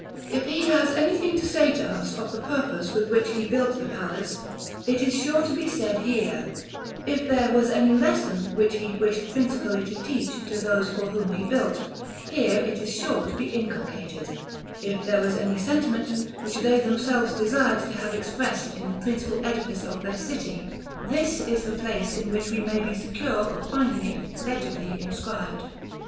If he has anything to say to us of the purpose with which he built the palace, it is sure to be said here; if there was any lesson which he wished principally to teach to those for whom he built, here it is sure to be inculcated; if there was any sentiment which they themselves desired to have expressed in the principal edifice of their city, this is the place in which we may be secure of finding it legibly inscribed.